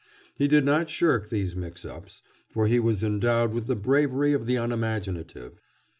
He did not shirk these mix ups, for he was endowed with the bravery of the unimaginative.